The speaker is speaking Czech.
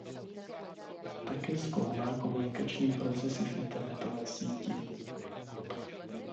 Také zkoumá komunikační procesy v internetové síti.